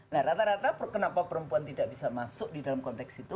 nah rata rata kenapa perempuan tidak bisa masuk di dalam konteks itu